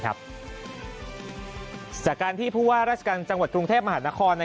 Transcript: จากการที่ผู้ว่าราชการจังหวัดกรุงเทพมหานคร